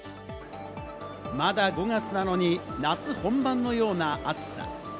まだ５月なのに夏本番のような暑さ。